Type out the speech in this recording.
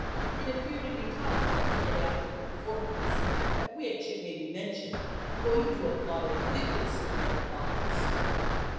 It appeared in Italia of the day after the performance, at which, it may be mentioned, Boïto applauded vigorously from a box.